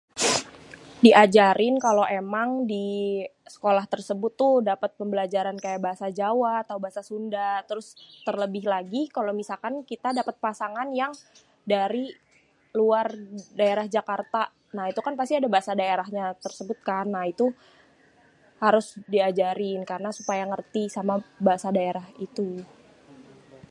Diajarin kalo emang di sekolah tersebut tuh dapet pembelajaran kayak bahasa Jawa atau bahasa Sunda. Terus terlebih lagi kalo misalkan kita dapet pasangan yang dari luar daerah Jakarta. Nah itu kan pasti ada bahasa daerahnya tersebutkan. Nah itu, harus diajarin karena supaya ngerti sama bahasa daerah itu.